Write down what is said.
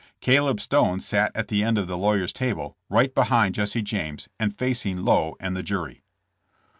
Caleb Stone sat at the end of the lawyer's table, right behind Jesse James, and facing Lowe and the jury.